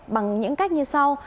bằng những cách như sau